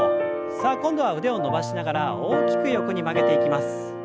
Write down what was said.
さあ今度は腕を伸ばしながら大きく横に曲げていきます。